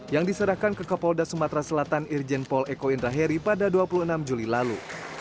yang diserahkan ke kapolda sumatera selatan irjen pol eko indra heri pada dua puluh enam juli lalu